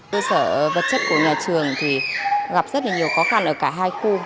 cơ sở vật chất của nhà trường thì gặp rất là nhiều khó khăn ở cả hai khu